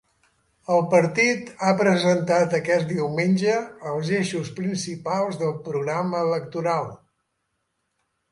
El partit ha presentat aquest diumenge els eixos principals del programa electoral.